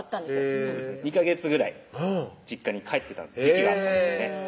そうですね２ヵ月ぐらい実家に帰ってた時期があったんですよね